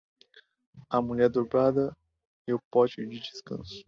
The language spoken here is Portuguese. A mulher dobrada e o pote de descanso.